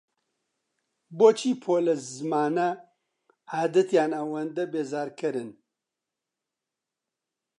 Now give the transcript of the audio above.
بۆچی پۆلە زمانە عادەتییەکان ئەوەندە بێزارکەرن؟